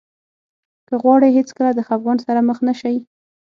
که غواړئ هېڅکله د خفګان سره مخ نه شئ.